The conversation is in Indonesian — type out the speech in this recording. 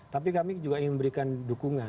tapi kami juga ingin memberikan dukungan